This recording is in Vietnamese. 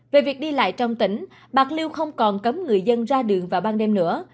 về việc đi lại trong tỉnh bạc liêu không còn cấm người dân ra đường vào ban đêm nữa